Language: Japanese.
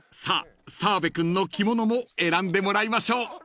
［さあ澤部君の着物も選んでもらいましょう］